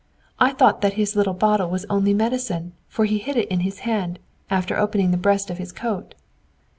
"I thought that his little bottle was only medicine; for he hid it in his hand, after opening the breast of his coat."